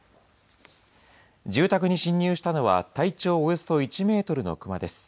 住宅に侵入したのは、体長およそ１メートルのクマです。